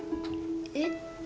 えっ？